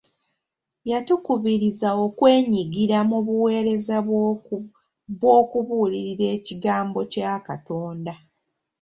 Yatukubirizza okwenyigira mu buweereza bw'okubuulira ekigambo kya Katonda.